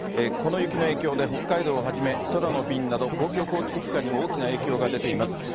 この雪の影響で、北海道をはじめ、空の便など、公共交通機関にも大きな影響が出ています。